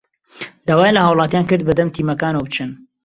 داوایان لە هاوڵاتیان کرد بەدەم تیمەکانەوە بچن